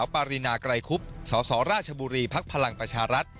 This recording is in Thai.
ปรินาไกรคุบสสราชบุรีภักดิ์พลังประชารัฐ